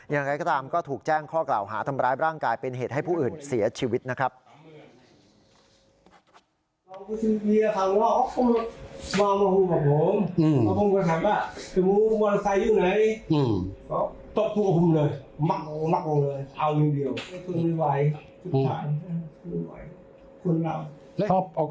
อย่างไรก็ตามก็ถูกแจ้งข้อกล่าวหาทำร้ายร่างกายเป็นเหตุให้ผู้อื่นเสียชีวิตนะครับ